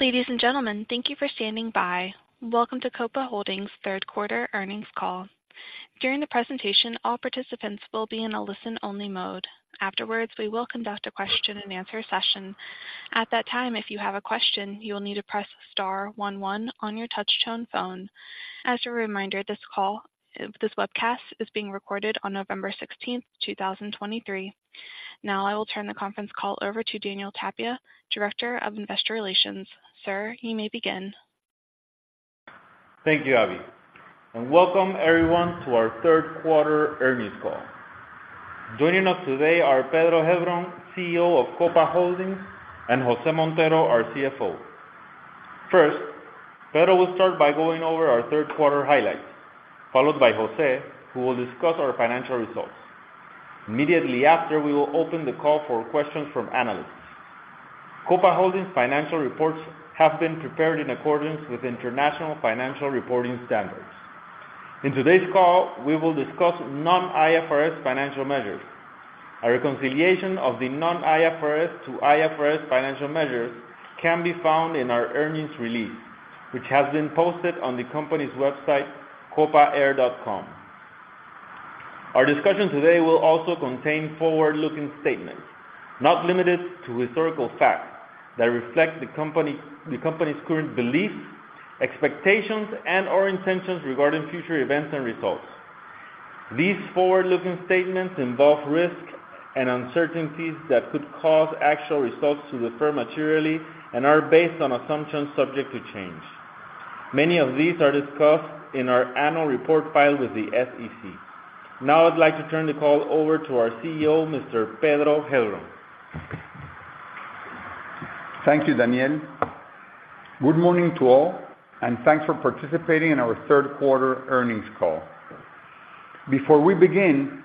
Ladies and gentlemen, thank you for standing by. Welcome to Copa Holdings third quarter earnings call. During the presentation, all participants will be in a listen-only mode. Afterwards, we will conduct a question-and-answer session. At that time, if you have a question, you will need to press star one one on your touchtone phone. As a reminder, this call, this webcast is being recorded on November 16th, 2023. Now, I will turn the conference call over to Daniel Tapia, Director of Investor Relations. Sir, you may begin. Thank you, Abby, and welcome everyone to our third quarter earnings call. Joining us today are Pedro Heilbron, CEO of Copa Holdings, and Jose Montero, our CFO. First, Pedro will start by going over our third quarter highlights, followed by Jose, who will discuss our financial results. Immediately after, we will open the call for questions from analysts. Copa Holdings financial reports have been prepared in accordance with International Financial Reporting Standards. In today's call, we will discuss non-IFRS financial measures. A reconciliation of the non-IFRS to IFRS financial measures can be found in our earnings release, which has been posted on the company's website, copaair.com. Our discussion today will also contain forward-looking statements, not limited to historical facts, that reflect the company, the company's current beliefs, expectations, and/or intentions regarding future events and results. These forward-looking statements involve risks and uncertainties that could cause actual results to differ materially and are based on assumptions subject to change. Many of these are discussed in our annual report filed with the SEC. Now, I'd like to turn the call over to our CEO, Mr. Pedro Heilbron. Thank you, Daniel. Good morning to all, and thanks for participating in our third quarter earnings call. Before we begin,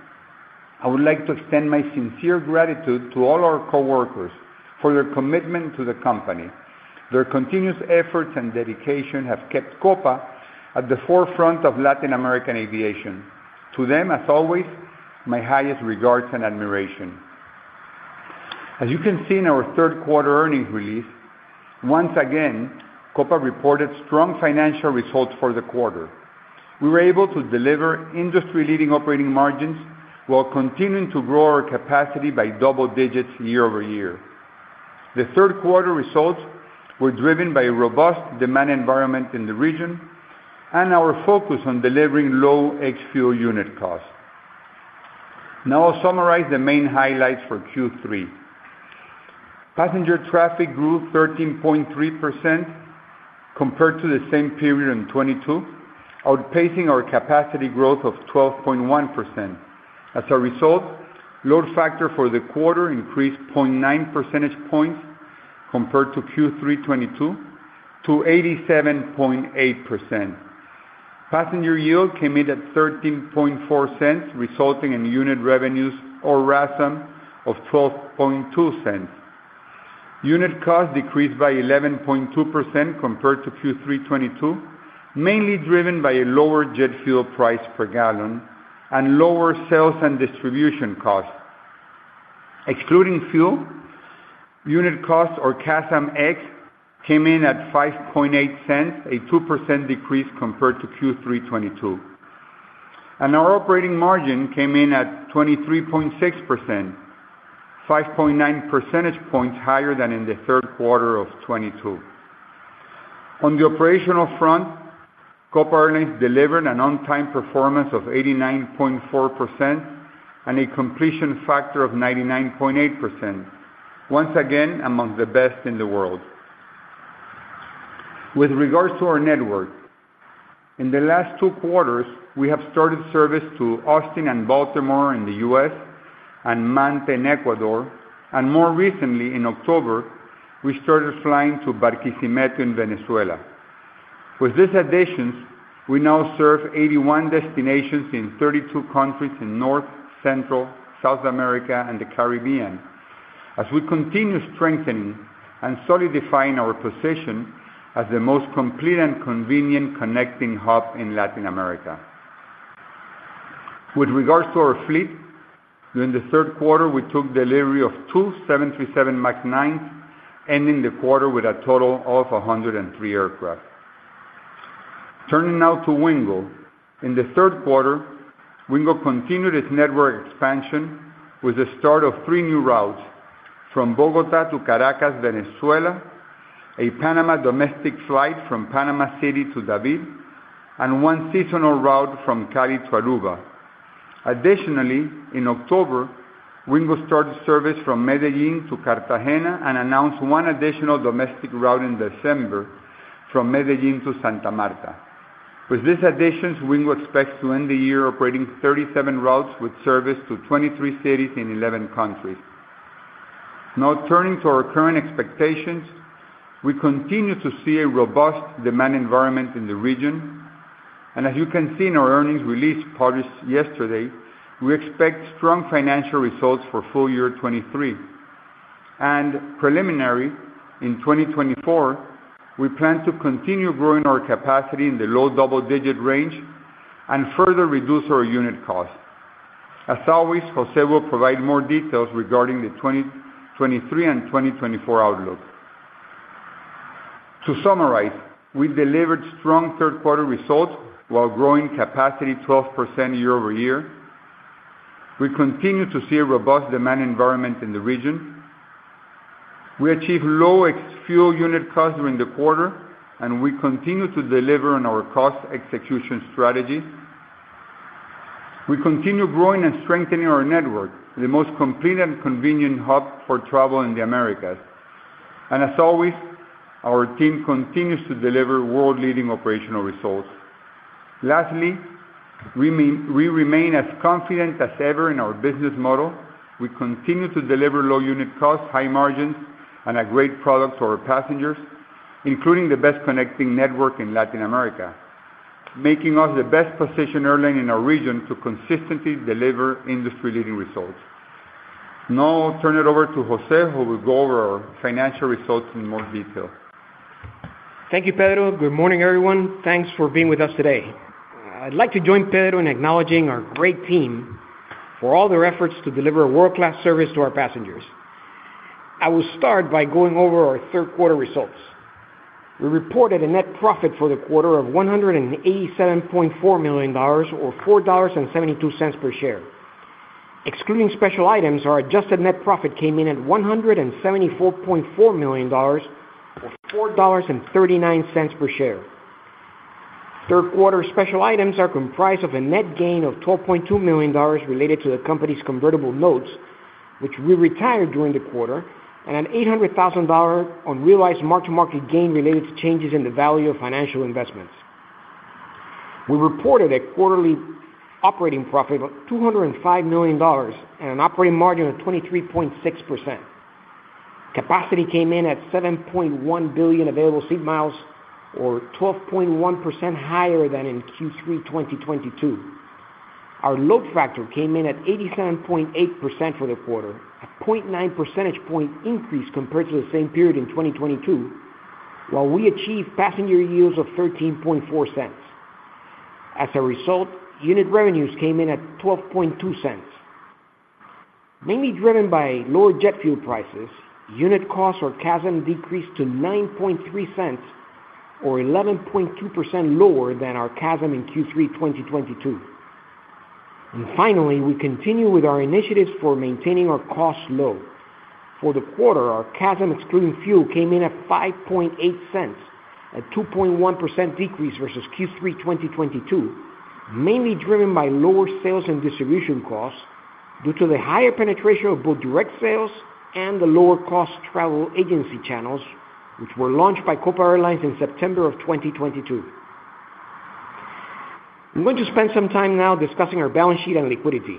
I would like to extend my sincere gratitude to all our coworkers for their commitment to the company. Their continuous efforts and dedication have kept Copa at the forefront of Latin American aviation. To them, as always, my highest regards and admiration. As you can see in our third quarter earnings release, once again, Copa reported strong financial results for the quarter. We were able to deliver industry-leading operating margins while continuing to grow our capacity by double digits year-over-year. The third quarter results were driven by a robust demand environment in the region and our focus on delivering low ex-fuel unit costs. Now, I'll summarize the main highlights for Q3. Passenger traffic grew 13.3% compared to the same period in 2022, outpacing our capacity growth of 12.1%. As a result, load factor for the quarter increased 0.9 percentage points compared to Q3 2022 to 87.8%. Passenger yield came in at $0.134, resulting in unit revenues or RASM of $0.122. Unit cost decreased by 11.2% compared to Q3 2022, mainly driven by a lower jet fuel price per gallon and lower sales and distribution costs. Excluding fuel, unit cost or CASM ex came in at $0.058, a 2% decrease compared to Q3 2022. Our operating margin came in at 23.6%, 5.9 percentage points higher than in the third quarter of 2022. On the operational front, Copa Airlines delivered an on-time performance of 89.4% and a completion factor of 99.8%. Once again, among the best in the world. With regards to our network, in the last two quarters, we have started service to Austin and Baltimore in the U.S. and Manta in Ecuador, and more recently, in October, we started flying to Barquisimeto in Venezuela. With these additions, we now serve 81 destinations in 32 countries in North, Central, South America, and the Caribbean. As we continue strengthening and solidifying our position as the most complete and convenient connecting hub in Latin America. With regards to our fleet, during the third quarter, we took delivery of two 737 MAX 9s, ending the quarter with a total of 103 aircraft. Turning now to Wingo. In the third quarter, Wingo continued its network expansion with the start of 3 new routes: from Bogotá to Caracas, Venezuela, a Panama domestic flight from Panama City to David, and one seasonal route from Cali to Aruba. Additionally, in October, Wingo started service from Medellín to Cartagena and announced one additional domestic route in December from Medellín to Santa Marta. With these additions, Wingo expects to end the year operating 37 routes with service to 23 cities in 11 countries. Now, turning to our current expectations, we continue to see a robust demand environment in the region, and as you can see in our earnings release published yesterday, we expect strong financial results for full year 2023. Preliminary, in 2024, we plan to continue growing our capacity in the low double-digit range and further reduce our unit cost. As always, José will provide more details regarding the 2023 and 2024 outlook. To summarize, we've delivered strong third quarter results while growing capacity 12% year-over-year. We continue to see a robust demand environment in the region. We achieved low ex-fuel unit costs during the quarter, and we continue to deliver on our cost execution strategy. We continue growing and strengthening our network, the most complete and convenient hub for travel in the Americas. As always, our team continues to deliver world-leading operational results. Lastly, we remain as confident as ever in our business model. We continue to deliver low unit costs, high margins, and a great product for our passengers, including the best connecting network in Latin America, making us the best-positioned airline in our region to consistently deliver industry-leading results. Now I'll turn it over to José, who will go over our financial results in more detail. Thank you, Pedro. Good morning, everyone. Thanks for being with us today. I'd like to join Pedro in acknowledging our great team for all their efforts to deliver a world-class service to our passengers. I will start by going over our third quarter results. We reported a net profit for the quarter of $187.4 million, or $4.72 per share. Excluding special items, our adjusted net profit came in at $174.4 million or $4.39 per share. Third quarter special items are comprised of a net gain of $12.2 million related to the company's convertible notes, which we retired during the quarter, and an $800,000 unrealized mark-to-market gain related to changes in the value of financial investments. We reported a quarterly operating profit of $205 million and an operating margin of 23.6%. Capacity came in at 7.1 billion available seat miles, or 12.1% higher than in Q3 2022. Our load factor came in at 87.8% for the quarter, a 0.9 percentage point increase compared to the same period in 2022, while we achieved passenger yields of $0.134. As a result, unit revenues came in at $0.122. Mainly driven by lower jet fuel prices, unit costs, or CASM, decreased to $9.3, or 11.2% lower than our CASM in Q3 2022. Finally, we continue with our initiatives for maintaining our costs low. For the quarter, our CASM, excluding fuel, came in at $0.058, a 2.1% decrease versus Q3 2022, mainly driven by lower sales and distribution costs due to the higher penetration of both direct sales and the lower-cost travel agency channels, which were launched by Copa Airlines in September 2022. I'm going to spend some time now discussing our balance sheet and liquidity.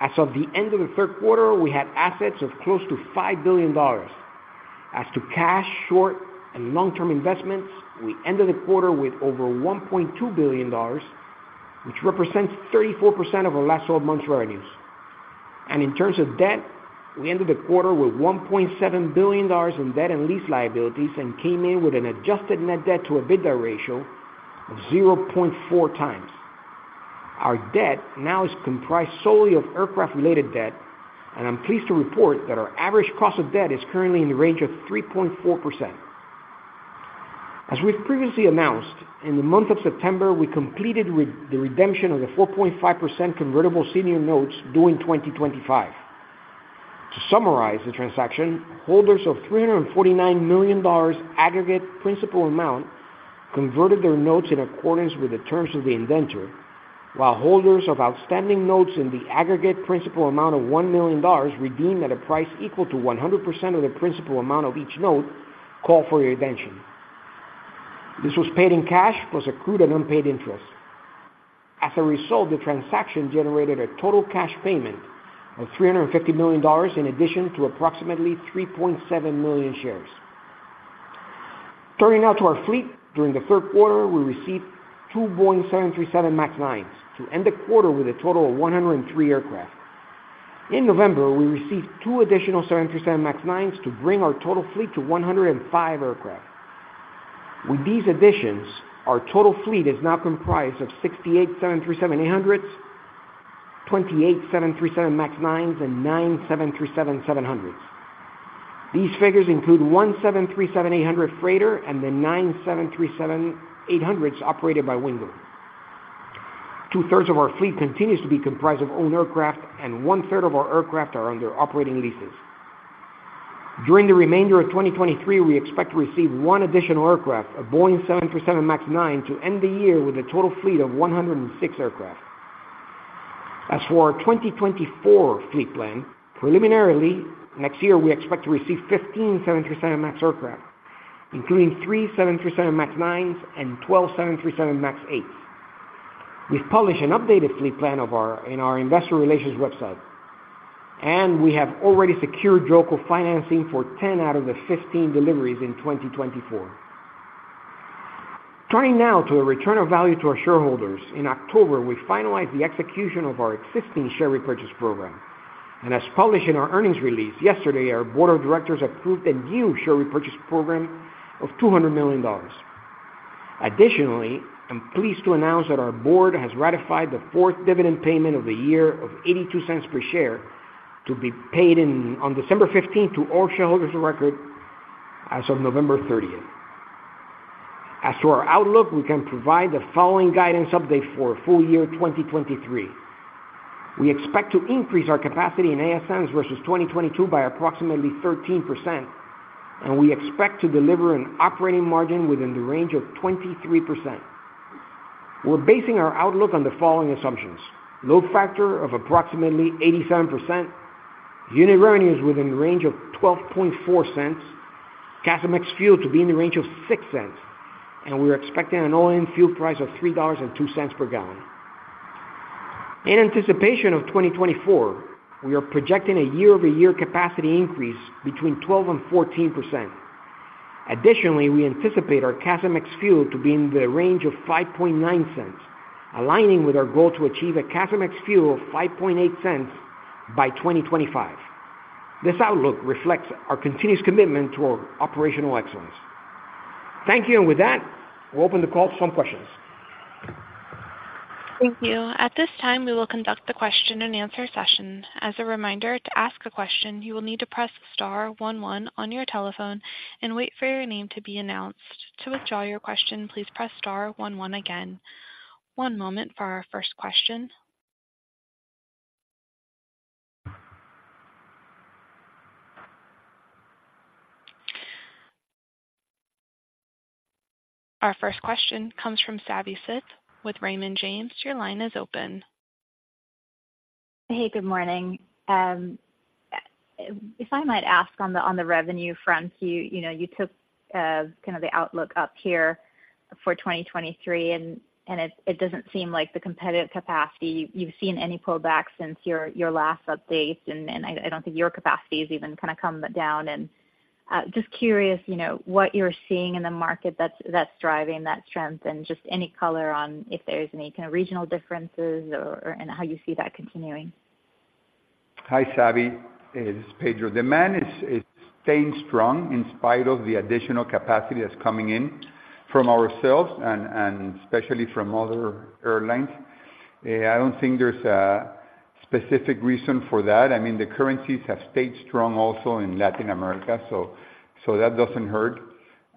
As of the end of the third quarter, we had assets of close to $5 billion. As to cash, short, and long-term investments, we ended the quarter with over $1.2 billion, which represents 34% of our last twelve months' revenues. In terms of debt, we ended the quarter with $1.7 billion in debt and lease liabilities and came in with an adjusted net debt to EBITDA ratio of 0.4x. Our debt now is comprised solely of aircraft-related debt, and I'm pleased to report that our average cost of debt is currently in the range of 3.4%. As we've previously announced, in the month of September, we completed the redemption of the 4.5% convertible senior notes due in 2025. To summarize the transaction, holders of $349 million aggregate principal amount converted their notes in accordance with the terms of the indenture, while holders of outstanding notes in the aggregate principal amount of $1 million redeemed at a price equal to 100% of the principal amount of each note called for your attention. This was paid in cash, plus accrued and unpaid interest. As a result, the transaction generated a total cash payment of $350 million, in addition to approximately 3.7 million shares. Turning now to our fleet. During the third quarter, we received two Boeing 737 MAX 9s, to end the quarter with a total of 103 aircraft. In November, we received two additional 737 MAX 9s to bring our total fleet to 105 aircraft. With these additions, our total fleet is now comprised of 68 737-800s, 28 737 MAX 9s, and 9 737-700s. These figures include one 737-800 freighter and the 9 737-800s operated by Wingo. Two-thirds of our fleet continues to be comprised of owned aircraft, and one-third of our aircraft are under operating leases. During the remainder of 2023, we expect to receive 1 additional aircraft, a Boeing 737 MAX 9, to end the year with a total fleet of 106 aircraft. As for our 2024 fleet plan, preliminarily, next year, we expect to receive 15 737 MAX aircraft, including 3 737 MAX 9s and 12 737 MAX 8s. We've published an updated fleet plan of our... In our investor relations website, and we have already secured local financing for 10 out of the 15 deliveries in 2024. Turning now to the return of value to our shareholders. In October, we finalized the execution of our existing share repurchase program, and as published in our earnings release yesterday, our board of directors approved a new share repurchase program of $200 million. Additionally, I'm pleased to announce that our board has ratified the fourth dividend payment of the year of $0.82 per share, to be paid on December 15th to all shareholders of record as of November 30th. As to our outlook, we can provide the following guidance update for full year 2023. We expect to increase our capacity in ASMs versus 2022 by approximately 13%, and we expect to deliver an operating margin within the range of 23%. We're basing our outlook on the following assumptions: load factor of approximately 87%, unit revenues within the range of $0.124, CASMx fuel to be in the range of $0.06, and we're expecting an all-in fuel price of $3.02 per gallon. In anticipation of 2024, we are projecting a year-over-year capacity increase between 12%-14%. Additionally, we anticipate our CASMx fuel to be in the range of $0.059, aligning with our goal to achieve a CASMx fuel of $0.058 by 2025. This outlook reflects our continuous commitment to operational excellence. Thank you. And with that, we'll open the call for some questions. Thank you. At this time, we will conduct the question-and-answer session. As a reminder, to ask a question, you will need to press star one one on your telephone and wait for your name to be announced. To withdraw your question, please press star one one again. One moment for our first question. Our first question comes from Savi Syth with Raymond James. Your line is open. Hey, good morning. If I might ask on the revenue front, you know, you took kind of the outlook up here for 2023, and it doesn't seem like the competitive capacity you've seen any pullback since your last update, and I don't think your capacity has even kind of come down. Just curious, you know, what you're seeing in the market that's driving that strength, and just any color on if there's any kind of regional differences or, and how you see that continuing. Hi, Savi. It is Pedro. Demand is staying strong in spite of the additional capacity that's coming in from ourselves and especially from other airlines. I don't think there's a specific reason for that. I mean, the currencies have stayed strong also in Latin America, so that doesn't hurt.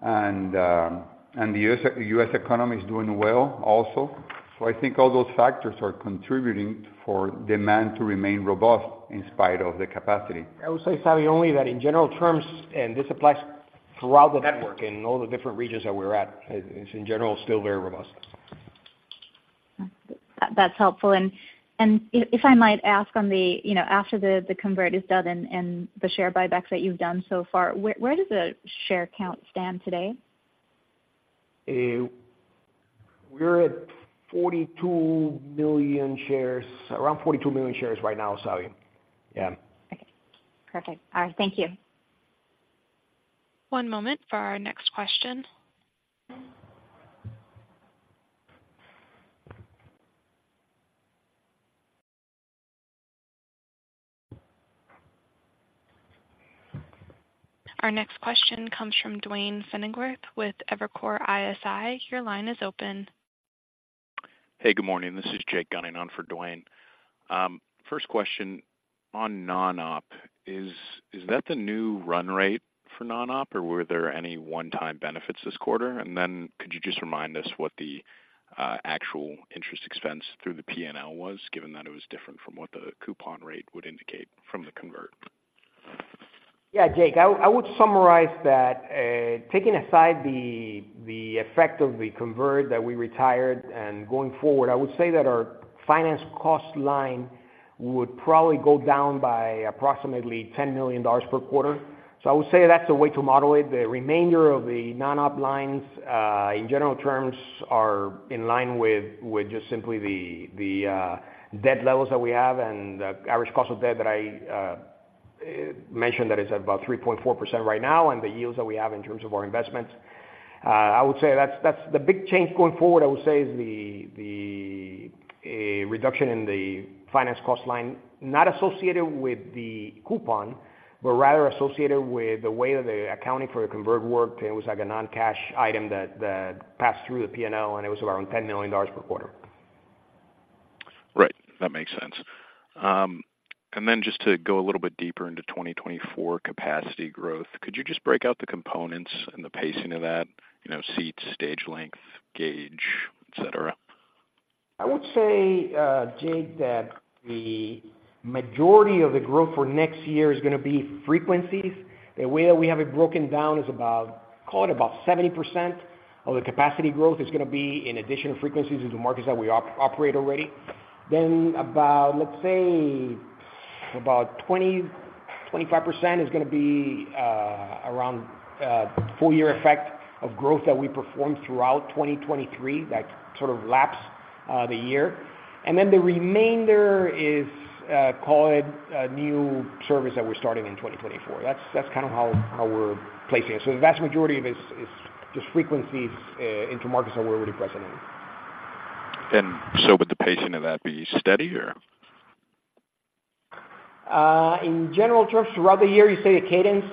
And the US economy is doing well also. So I think all those factors are contributing for demand to remain robust in spite of the capacity. I would say, Savi, only that in general terms, and this applies throughout the network in all the different regions that we're at, it's in general, still very robust. That's helpful. And if I might ask, you know, after the convert is done and the share buybacks that you've done so far, where does the share count stand today? We're at 42 million shares, around 42 million shares right now, Savi. Yeah. Okay, perfect. All right. Thank you. One moment for our next question. Our next question comes from Duane Pfennigwerth, with Evercore ISI. Your line is open. Hey, good morning. This is Jake Gunning on for Duane. First question, on non-op, is that the new run rate for non-op, or were there any one-time benefits this quarter? And then could you just remind us what the actual interest expense through the PNL was, given that it was different from what the coupon rate would indicate from the convert? Yeah, Jake, I would summarize that, taking aside the effect of the convert that we retired, and going forward, I would say that our finance cost line would probably go down by approximately $10 million per quarter. So I would say that's the way to model it. The remainder of the non-op lines, in general terms, are in line with just simply the debt levels that we have and the average cost of debt that I mentioned, that is about 3.4% right now, and the yields that we have in terms of our investments. I would say that's the big change going forward, I would say, is a reduction in the finance cost line, not associated with the coupon, but rather associated with the way that the accounting for the convert worked. It was like a non-cash item that passed through the P&L, and it was around $10 million per quarter. Right. That makes sense. And then just to go a little bit deeper into 2024 capacity growth, could you just break out the components and the pacing of that? You know, seats, stage length, gauge, et cetera. I would say, Jake, that the majority of the growth for next year is gonna be frequencies. The way that we have it broken down is about, call it about 70% of the capacity growth is gonna be in additional frequencies in the markets that we operate already. Then about, let's say, about 20%-25% is gonna be around full year effect of growth that we performed throughout 2023, that sort of lapse the year. And then the remainder is call it a new service that we're starting in 2024. That's kind of how we're placing it. So the vast majority of it is just frequencies into markets that we're already present in. Would the pacing of that be steady or? In general terms, throughout the year, you say the cadence,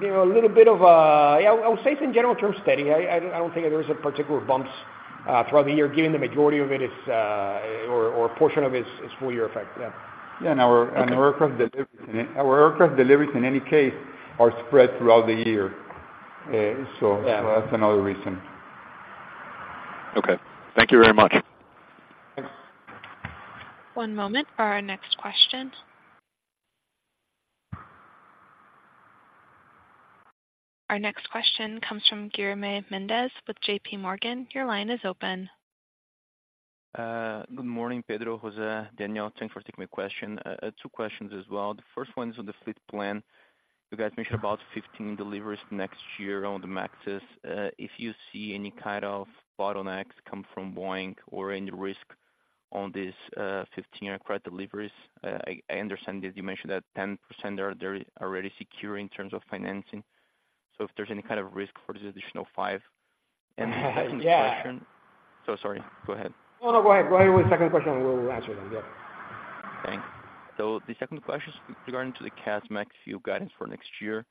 you know, a little bit of, yeah, I would say it's in general terms, steady. I don't think there is a particular bumps, throughout the year, given the majority of it is, or a portion of it is full year effect. Yeah. Yeah, and our aircraft deliveries, in any case, are spread throughout the year. Yeah. That's another reason. Okay. Thank you very much. Thanks. One moment for our next question. Our next question comes from Guilherme Mendes with JPMorgan. Your line is open. Good morning, Pedro, José, Daniel. Thanks for taking my question. Two questions as well. The first one is on the fleet plan. You guys mentioned about 15 deliveries next year on the MAXs. If you see any kind of bottlenecks come from Boeing or any risk on this 15 aircraft deliveries. I understand that you mentioned that 10% are already secure in terms of financing. So if there's any kind of risk for the additional five? Yeah. And the second question... So sorry, go ahead. No, no, go ahead. Go ahead with the second question, and we'll answer them. Yeah. Thanks. So the second question is regarding to the CASM ex view guidance for next year.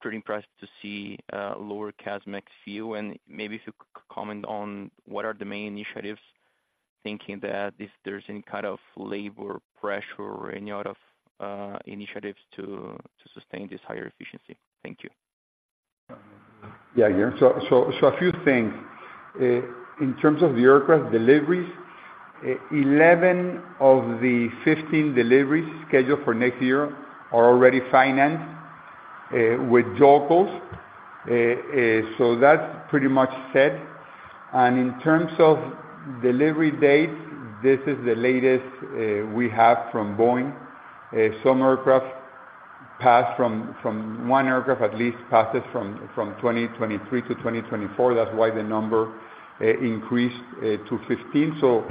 Pretty impressed to see lower CASM ex view, and maybe if you comment on what are the main initiatives, thinking that if there's any kind of labor pressure or any other initiatives to sustain this higher efficiency. Thank you. Yeah, Guilherme. So a few things. In terms of the aircraft deliveries, 11 of the 15 deliveries scheduled for next year are already financed with JOLCOs. So that's pretty much set. And in terms of delivery dates, this is the latest we have from Boeing. Some aircraft passed from 2023 to 2024. At least one aircraft passes from 2023 to 2024. That's why the number increased to 15. So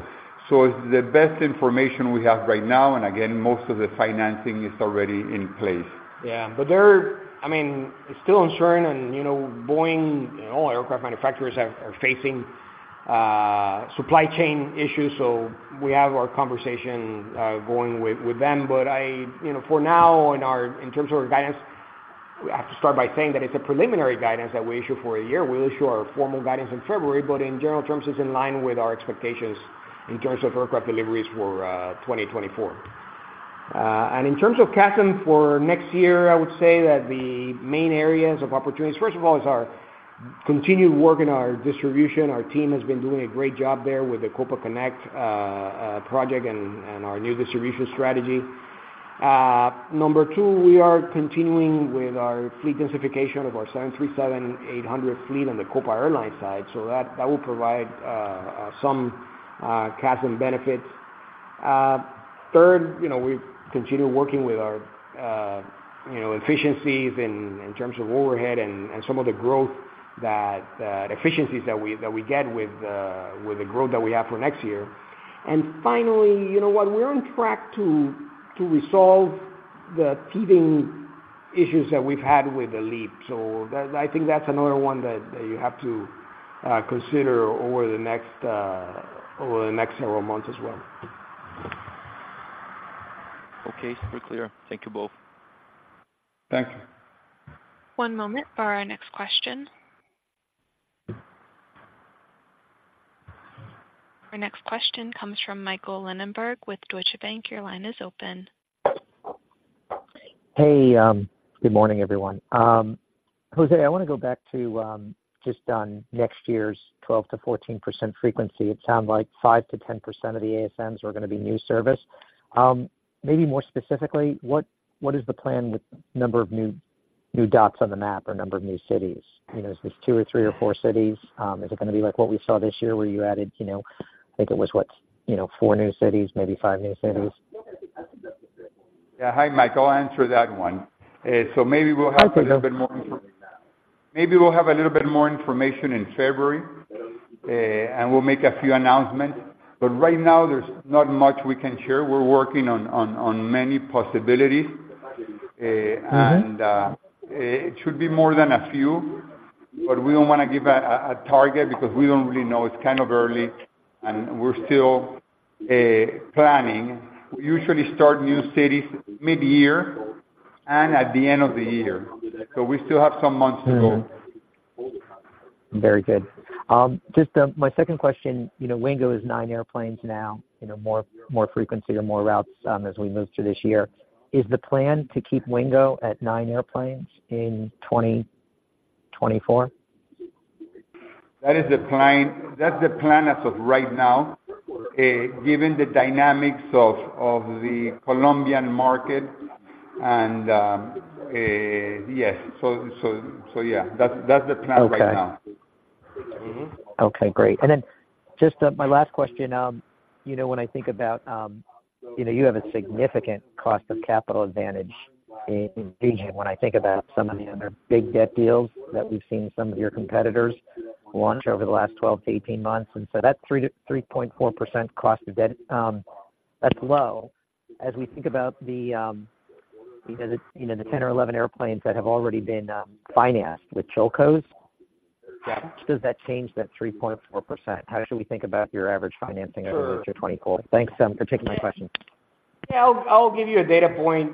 the best information we have right now, and again, most of the financing is already in place. Yeah, but there are... I mean, it's still uncertain, and, you know, Boeing and all aircraft manufacturers are facing supply chain issues, so we have our conversation going with them. But I... You know, for now, in terms of our guidance, we have to start by saying that it's a preliminary guidance that we issue for a year. We'll issue our formal guidance in February, but in general terms, it's in line with our expectations in terms of aircraft deliveries for 2024. And in terms of CASM for next year, I would say that the main areas of opportunities, first of all, is our continued work in our distribution. Our team has been doing a great job there with the Copa Connect project and our new distribution strategy. Two, we are continuing with our fleet densification of our 737-800 fleet on the Copa Airlines side, so that will provide some CASM benefits. Third, you know, we continue working with our, you know, efficiencies in terms of overhead and some of the growth that the efficiencies that we get with the growth that we have for next year. And finally, you know what? We're on track to resolve the teething issues that we've had with the LEAP. So that, I think that's another one that you have to consider over the next several months as well. Okay, super clear. Thank you both. Thank you. One moment for our next question. Our next question comes from Michael Linenberg with Deutsche Bank. Your line is open. Hey, good morning, everyone. José, I want to go back to just on next year's 12%-14% frequency. It sounds like 5%-10% of the ASMs are going to be new service. Maybe more specifically, what is the plan with number of new dots on the map or number of new cities? You know, is this two or three or four cities? Is it going to be like what we saw this year, where you added, you know, I think it was what? You know, four new cities, maybe five new cities. Yeah. Hi, Michael. I'll answer that one. So maybe we'll have- Okay. - a little bit more... Maybe we'll have a little bit more information in February, and we'll make a few announcements. But right now, there's not much we can share. We're working on many possibilities. Mm-hmm. It should be more than a few, but we don't want to give a target because we don't really know. It's kind of early, and we're still planning. We usually start new cities mid-year and at the end of the year, so we still have some months to go. Mm-hmm. Very good. Just, my second question, you know, Wingo is nine airplanes now, you know, more, more frequency or more routes, as we move through this year. Is the plan to keep Wingo at nine airplanes in 2024? That is the plan. That's the plan as of right now, given the dynamics of the Colombian market and yes. So yeah, that's the plan right now. Okay. Mm-hmm. Okay, great. And then just, my last question, you know, when I think about, you know, you have a significant cost of capital advantage in when I think about some of the other big debt deals that we've seen some of your competitors launch over the last 12-18 months. And so that 3%-3.4% cost of debt, that's low. As we think about the, you know, the, you know, the 10 or 11 airplanes that have already been, financed with JOLCOs?... How does that change that 3.4%? How should we think about your average financing- Sure. -over your 20 quarter? Thanks, for taking my question. Yeah, I'll give you a data point,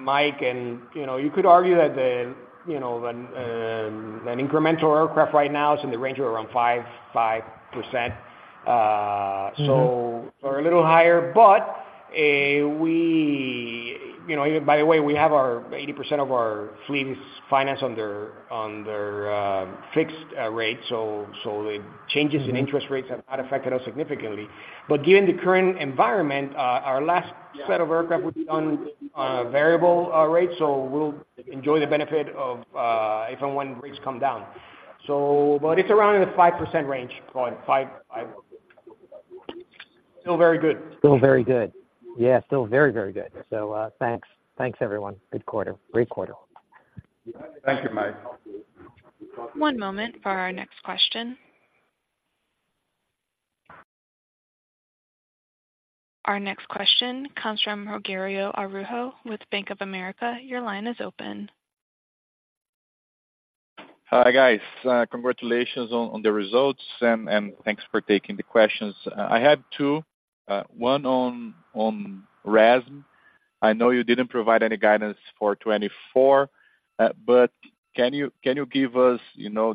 Mike, and, you know, you could argue that the, you know, an incremental aircraft right now is in the range of around 5.5%. Mm-hmm. So, or a little higher. But we. You know, by the way, we have 80% of our fleet is financed on their fixed rate, so the changes in interest rates have not affected us significantly. But given the current environment, our last set of aircraft would be on a variable rate, so we'll enjoy the benefit of if and when rates come down. But it's around in the 5% range, around 5.5%. Still very good. Still very good. Yeah, still very, very good. So, thanks. Thanks, everyone. Good quarter. Great quarter. Thank you, Mike. One moment for our next question. Our next question comes from Rogério Araújo with Bank of America. Your line is open. Hi, guys. Congratulations on the results, and thanks for taking the questions. I had two, one on RASM. I know you didn't provide any guidance for 2024, but can you give us, you know,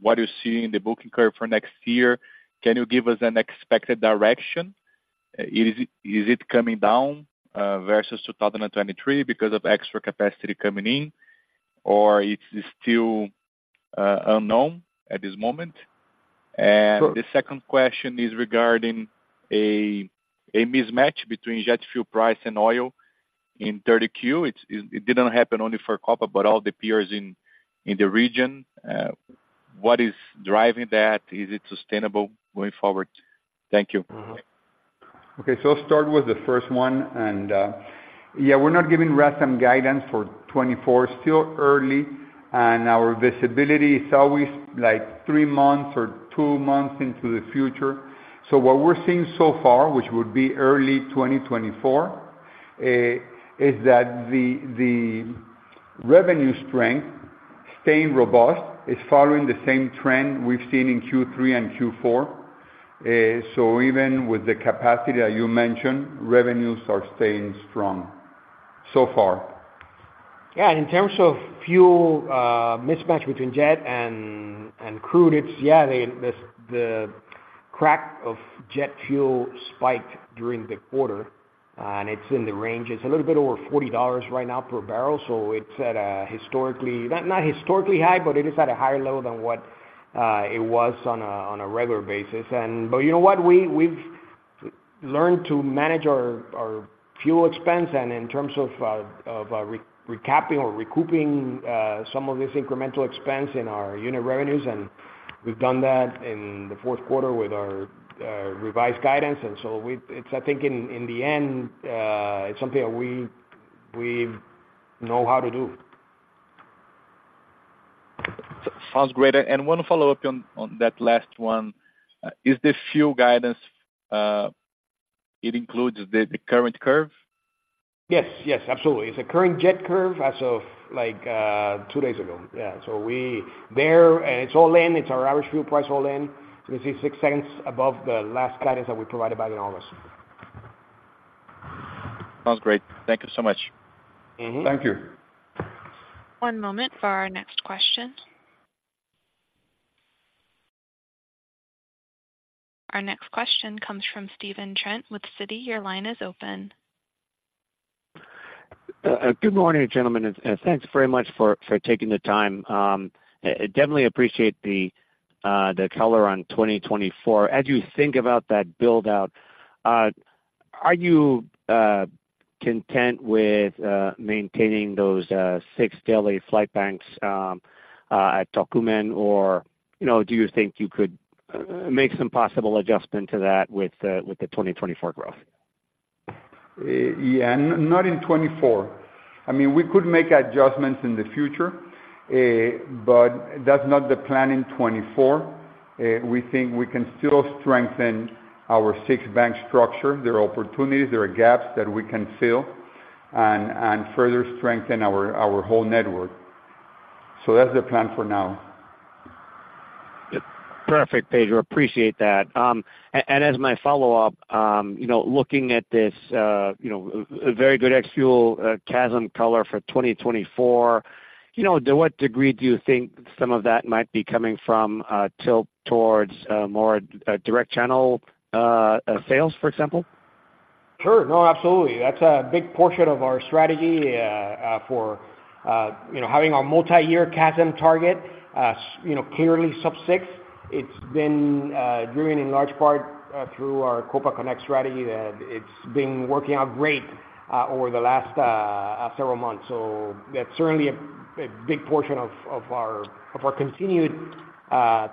what you see in the booking curve for next year? Can you give us an expected direction? Is it coming down versus 2023 because of extra capacity coming in, or it's still unknown at this moment? Sure. The second question is regarding a mismatch between jet fuel price and oil in 3Q. It didn't happen only for Copa, but all the peers in the region. What is driving that? Is it sustainable going forward? Thank you. Mm-hmm. Okay, so I'll start with the first one, and yeah, we're not giving RASM guidance for 2024. Still early, and our visibility is always, like, three months or two months into the future. So what we're seeing so far, which would be early 2024, is that the revenue strength, staying robust, is following the same trend we've seen in Q3 and Q4. So even with the capacity that you mentioned, revenues are staying strong, so far. Yeah, in terms of fuel, mismatch between jet and crude, it's, yeah, the crack of jet fuel spiked during the quarter, and it's in the range. It's a little bit over $40 right now per barrel, so it's at a historically, not historically high, but it is at a higher level than what it was on a regular basis. But you know what? We've learned to manage our fuel expense, and in terms of recapping or recouping some of this incremental expense in our unit revenues, and we've done that in the fourth quarter with our revised guidance. So it's, I think in the end, it's something that we know how to do. Sounds great. One follow-up on that last one. Is the fuel guidance, it includes the current curve? Yes, yes, absolutely. It's a current jet curve as of, like, two days ago. Yeah, so we're there, and it's all in, it's our average fuel price all in. So it's $0.06 above the last guidance that we provided back in August. Sounds great. Thank you so much. Mm-hmm. Thank you. One moment for our next question. Our next question comes from Stephen Trent with Citi. Your line is open. Good morning, gentlemen, and thanks very much for taking the time. I definitely appreciate the color on 2024. As you think about that build-out, are you content with maintaining those 6 daily flight banks at Tocumen, or, you know, do you think you could make some possible adjustment to that with the 2024 growth? Yeah, not in 2024. I mean, we could make adjustments in the future, but that's not the plan in 2024. We think we can still strengthen our six-bank structure. There are opportunities, there are gaps that we can fill and further strengthen our whole network. So that's the plan for now. Perfect, Pedro. Appreciate that. As my follow-up, you know, looking at this, you know, a very good ex-fuel CASM color for 2024, you know, to what degree do you think some of that might be coming from, tilt towards more direct channel sales, for example? Sure. No, absolutely. That's a big portion of our strategy, for you know, having our multiyear CASM target, you know, clearly sub-6. It's been, driven in large part, through our Copa Connect strategy, and it's been working out great, over the last, several months. So that's certainly a big portion of our continued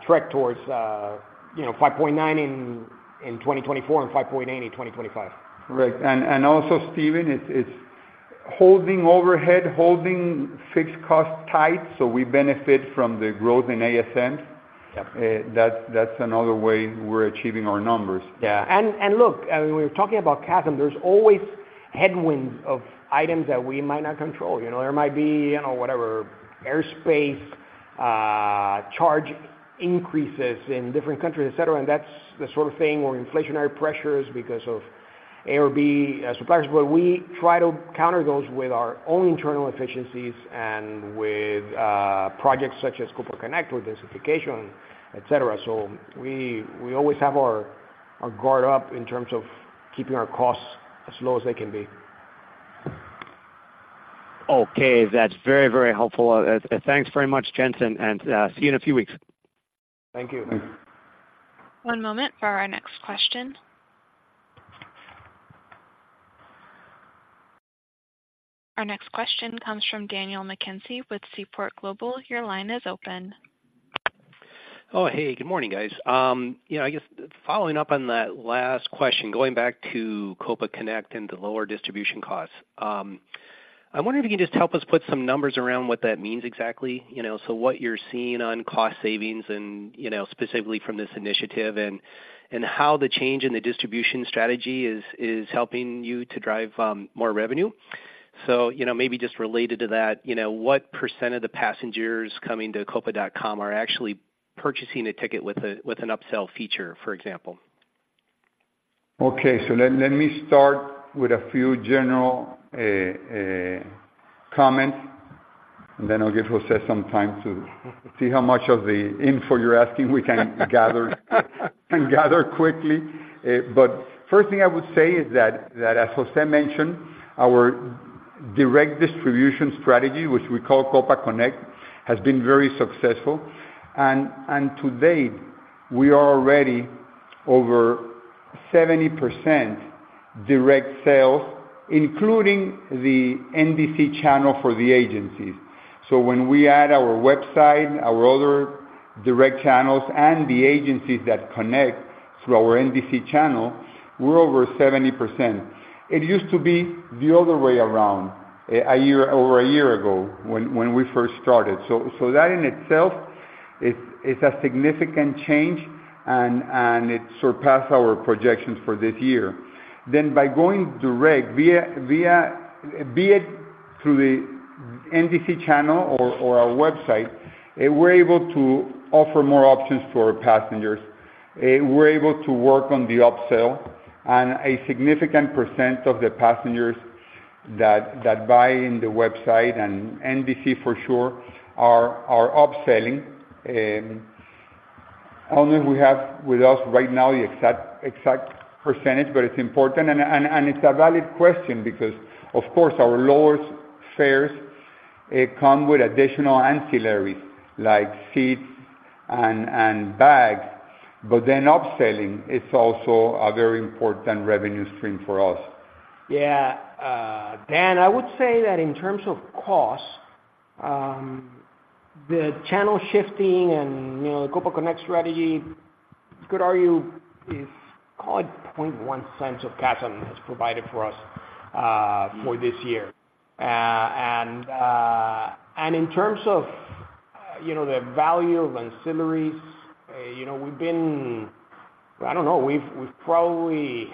trek towards, you know, $0.059 in 2024 and $0.058 in 2025. Right. And also, Stephen, it's holding overhead, holding fixed costs tight, so we benefit from the growth in ASM. That's another way we're achieving our numbers. Yeah, and look, we're talking about CASM. There's always headwinds of items that we might not control. You know, there might be, you know, whatever, airspace charge increases in different countries, et cetera, and that's the sort of thing, or inflationary pressures because of ARB, our suppliers. But we try to counter those with our own internal efficiencies and with projects such as Copa Connect or densification, et cetera. So we always have our guard up in terms of keeping our costs as low as they can be. Okay, that's very, very helpful. Thanks very much, gents, and see you in a few weeks. Thank you. One moment for our next question. Our next question comes from Daniel McKenzie with Seaport Global. Your line is open. Oh, hey, good morning, guys. You know, I guess following up on that last question, going back to Copa Connect and the lower distribution costs, I wonder if you can just help us put some numbers around what that means exactly. You know, so what you're seeing on cost savings and, you know, specifically from this initiative, and how the change in the distribution strategy is, is helping you to drive more revenue. So, you know, maybe just related to that, you know, what % of the passengers coming to copa.com are actually purchasing a ticket with a- with an upsell feature, for example? Okay, so let, let me start with a few general comments, and then I'll give Jose some time to see how much of the info you're asking we can gather, and gather quickly. But first thing I would say is that, that, as Jose mentioned, our direct distribution strategy, which we call Copa Connect, has been very successful. And, and to date, we are already over 70% direct sales, including the NDC channel for the agencies. So when we add our website, our other direct channels, and the agencies that connect through our NDC channel, we're over 70%. It used to be the other way around, a year-over a year ago when, when we first started. So, so that in itself is, is a significant change, and, and it surpassed our projections for this year. Then by going direct, via—be it through the NDC channel or our website, we're able to offer more options to our passengers. We're able to work on the upsell, and a significant percent of the passengers that buy in the website and NDC for sure are upselling. I don't think we have with us right now the exact percentage, but it's important. And it's a valid question because, of course, our lower fares come with additional ancillaries, like seats and bags, but then upselling is also a very important revenue stream for us. Yeah. Dan, I would say that in terms of cost, the channel shifting and, you know, the Copa Connect strategy, you could argue, is call it $0.001 of CASM has provided for us, for this year. And, and in terms of, you know, the value of ancillaries, you know, we've been... I don't know, we've, we've probably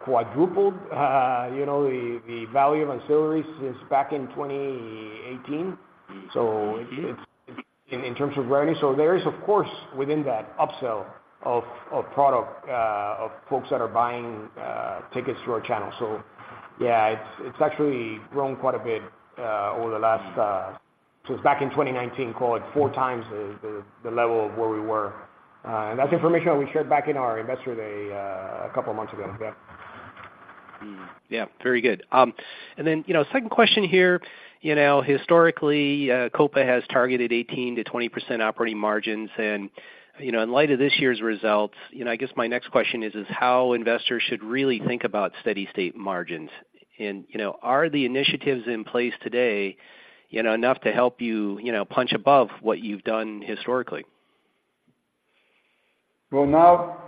quadrupled, you know, the, the value of ancillaries since back in 2018. So it's in terms of revenue. So there is, of course, within that upsell of, of product, of folks that are buying, tickets through our channel. So yeah, it's, it's actually grown quite a bit, over the last... Since back in 2019, call it four times the, the, the level of where we were. That's information that we shared back in our Investor Day, a couple of months ago. Yeah. Yeah, very good. And then, you know, second question here, you know, historically, Copa has targeted 18%-20% operating margins, and, you know, in light of this year's results, you know, I guess my next question is, is how investors should really think about steady-state margins? And, you know, are the initiatives in place today, you know, enough to help you, you know, punch above what you've done historically? Well, now,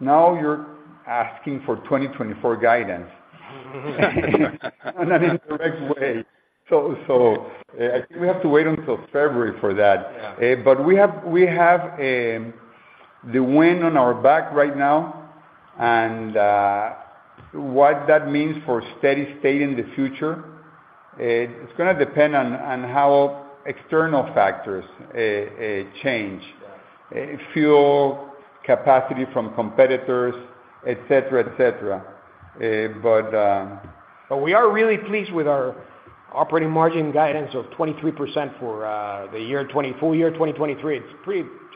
now you're asking for 2024 guidance. In an indirect way. So, so, I think we have to wait until February for that. Yeah. But we have the wind on our back right now, and what that means for steady state in the future, it's gonna depend on how external factors change: fuel, capacity from competitors, et cetera, et cetera. But we are really pleased with our operating margin guidance of 23% for the full year 2023. It's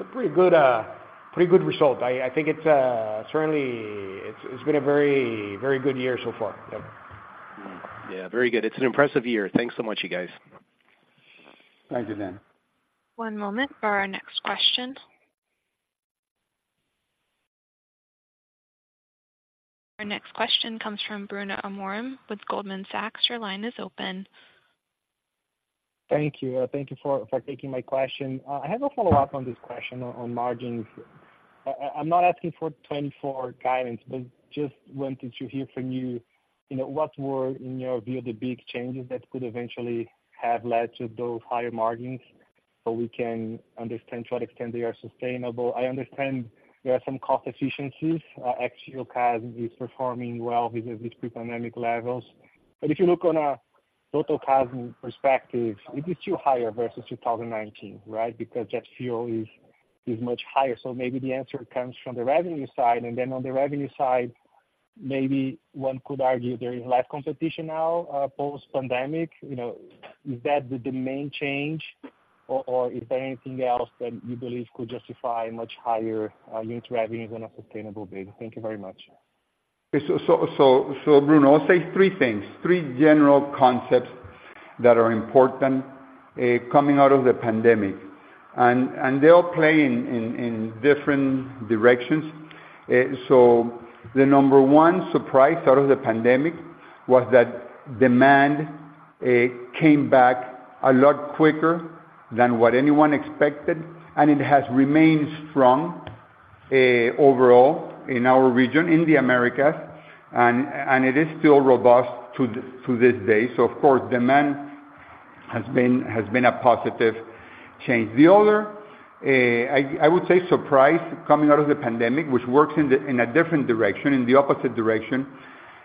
a pretty good result. I think it's certainly been a very, very good year so far. Yep. Hmm. Yeah, very good. It's an impressive year. Thanks so much, you guys. Thank you, Dan. One moment for our next question. Our next question comes from Bruno Amorim with Goldman Sachs. Your line is open. Thank you. Thank you for taking my question. I have a follow-up on this question on margins. I'm not asking for 2024 guidance, but just wanted to hear from you, you know, what were, in your view, the big changes that could eventually have led to those higher margins, so we can understand to what extent they are sustainable? I understand there are some cost efficiencies. Actual CASM is performing well with pre-pandemic levels. But if you look on a total CASM perspective, it is still higher versus 2019, right? Because jet fuel is much higher. So maybe the answer comes from the revenue side. And then on the revenue side, maybe one could argue there is less competition now, post-pandemic. You know, is that the main change, or, or is there anything else that you believe could justify much higher unit revenues on a sustainable basis? Thank you very much. So, Bruno, I'll say three things, three general concepts that are important coming out of the pandemic, and they all play in different directions. So the number one surprise out of the pandemic was that demand came back a lot quicker than what anyone expected, and it has remained strong overall in our region, in the Americas, and it is still robust to this day. So of course, demand has been a positive change. The other, I would say, surprise coming out of the pandemic, which works in a different direction, in the opposite direction,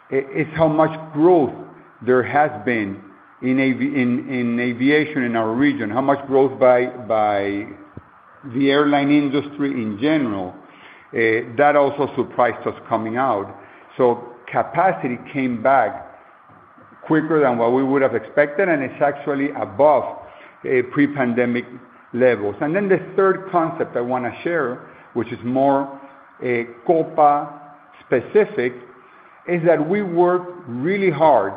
is how much growth there has been in aviation in our region. How much growth by the airline industry in general that also surprised us coming out. So capacity came back quicker than what we would have expected, and it's actually above pre-pandemic levels. And then the third concept I wanna share, which is more Copa-specific, is that we worked really hard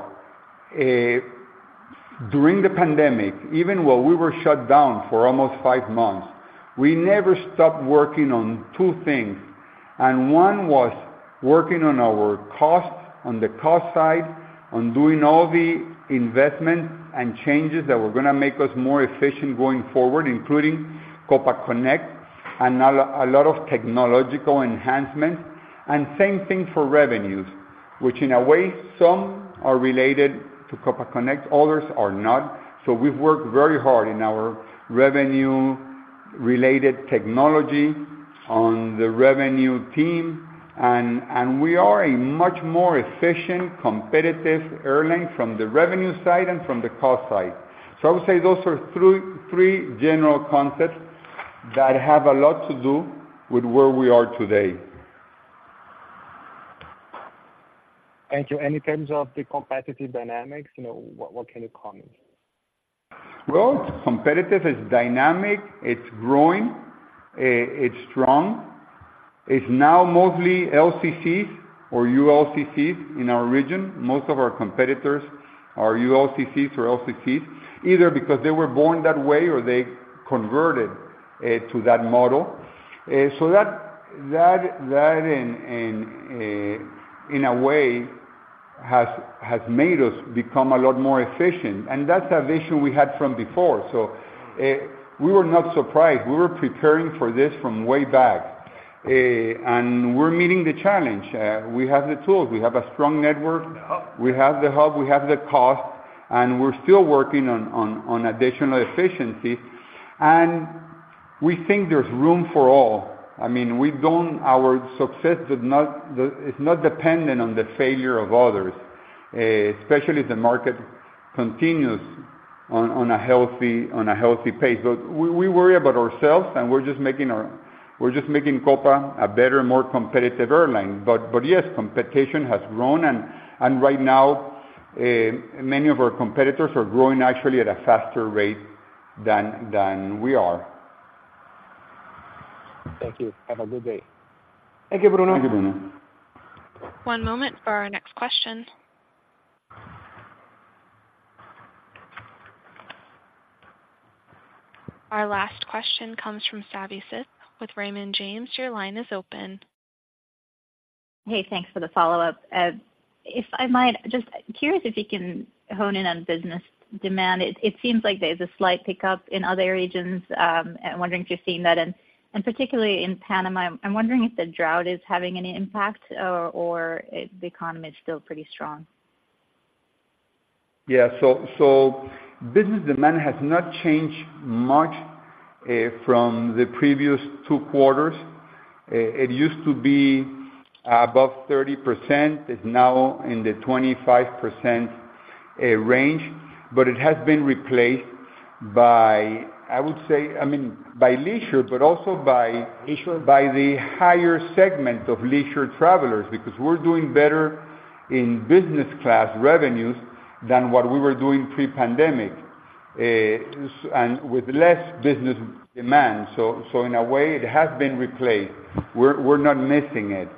during the pandemic. Even while we were shut down for almost five months, we never stopped working on two things, and one was working on our costs, on the cost side, on doing all the investments and changes that were gonna make us more efficient going forward, including Copa Connect and a lot of technological enhancements. And same thing for revenues, which in a way, some are related to Copa Connect, others are not. So we've worked very hard in our revenue-related technology on the revenue team, and we are a much more efficient, competitive airline from the revenue side and from the cost side. I would say those are three, three general concepts that have a lot to do with where we are today. Thank you. In terms of the competitive dynamics, you know, what, what can you comment? Well, competitive is dynamic, it's growing, it's strong. It's now mostly LCCs or ULCCs in our region. Most of our competitors are ULCCs or LCCs, either because they were born that way or they converted to that model. So that in a way has made us become a lot more efficient, and that's a vision we had from before. So, we were not surprised. We were preparing for this from way back. And we're meeting the challenge. We have the tools, we have a strong network—the hub—we have the hub, we have the cost, and we're still working on additional efficiency. And we think there's room for all. I mean, we don't... Our success is not dependent on the failure of others, especially if the market continues on a healthy pace. But we worry about ourselves, and we're just making Copa a better, more competitive airline. But yes, competition has grown, and right now, many of our competitors are growing actually at a faster rate than we are. Thank you. Have a good day. Thank you, Bruno. Thank you, Bruno. One moment for our next question. Our last question comes from Savi Syth with Raymond James. Your line is open. Hey, thanks for the follow-up. If I might, just curious if you can hone in on business demand. It seems like there's a slight pickup in other regions, and wondering if you're seeing that. And particularly in Panama, I'm wondering if the drought is having any impact or if the economy is still pretty strong. Yeah. So, business demand has not changed much from the previous two quarters. It used to be above 30%. It's now in the 25% range, but it has been replaced by, I would say, I mean, by leisure, but also by- Leisure... by the higher segment of leisure travelers, because we're doing better in business class revenues than what we were doing pre-pandemic and with less business demand. So in a way, it has been replaced. We're not missing it,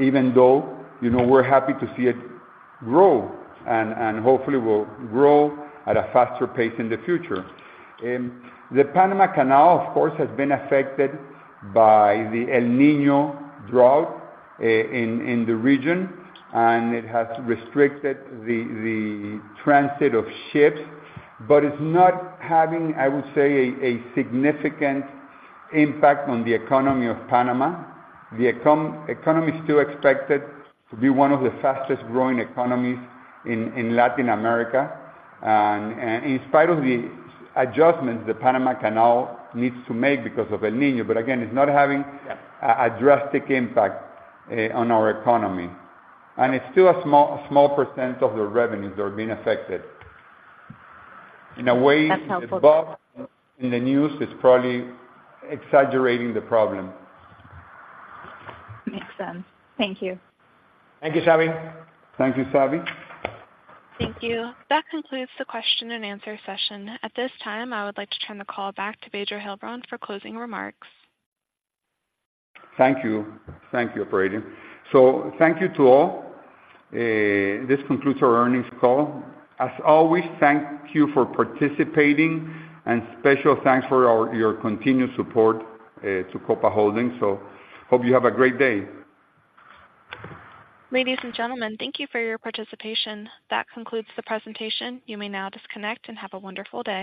even though, you know, we're happy to see it grow, and hopefully will grow at a faster pace in the future. The Panama Canal, of course, has been affected by the El Niño drought in the region, and it has restricted the transit of ships. But it's not having, I would say, a significant impact on the economy of Panama. The economy is still expected to be one of the fastest growing economies in Latin America, and in spite of the adjustments the Panama Canal needs to make because of El Niño. But again, it's not having a drastic impact on our economy, and it's still a small, small percent of the revenues that are being affected. In a way- That's helpful. The buzz in the news is probably exaggerating the problem. Makes sense. Thank you. Thank you, Savi. Thank you, Savi. Thank you. That concludes the question and answer session. At this time, I would like to turn the call back to Pedro Heilbron for closing remarks. Thank you. Thank you, operator. Thank you to all. This concludes our earnings call. As always, thank you for participating, and special thanks for your continued support to Copa Holdings. Hope you have a great day. Ladies and gentlemen, thank you for your participation. That concludes the presentation. You may now disconnect and have a wonderful day.